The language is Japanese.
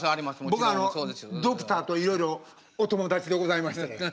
僕ドクターといろいろお友達でございましてね